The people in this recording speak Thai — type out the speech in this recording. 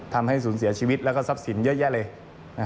ทำให้สูญเสียชีวิตแล้วก็ทรัพย์สินเยอะแยะเลย